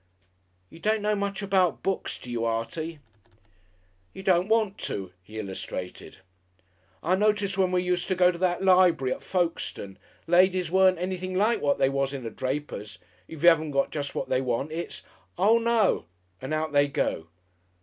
"You don't know much about books, do you, Artie?" "You don't want to." He illustrated. "I noticed when we used to go to that Lib'ry at Folkestone, ladies weren't anything like what they was in a draper's if you 'aven't got just what they want it's 'Oh, no!' and out they go.